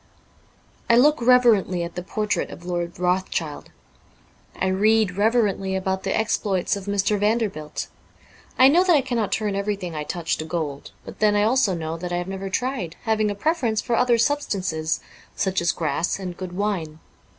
I look reverently at the portrait of Lord Rothschild ; I read reverently about the exploits of Mr. Vander bilt. I know that I cannot turn everything I touch to gold ; but then I also know that I have never tried, having a preference for other sub stances — such as grass and good wine.